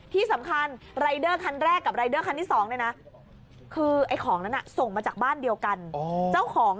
ที่สำคัญรายเดอร์คันแรกกับรายเดอร์คันที่๒เนี่ยนะคือไอ้ของนั้นส่งมาจากบ้านเดียวกันเจ้าของ